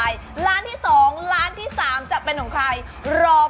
ยังเหลือตั้ง๗๐คันอะครับ